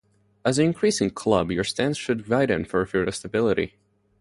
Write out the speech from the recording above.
As you increase in club, your stance should widen for further stability.